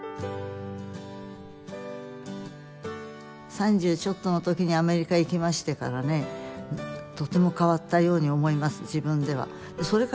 三十ちょっとの時にアメリカ行きましてからねとても変わったように思います